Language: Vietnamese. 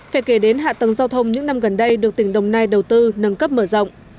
phải kể đến hạ tầng giao thông những năm gần đây được tỉnh đồng nai đầu tư nâng cấp mở rộng